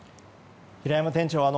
平山店長